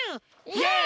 イエイ！